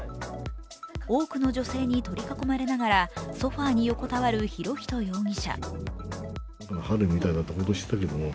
多くの女性に取り囲まれながらソファーに横たわる博仁容疑者。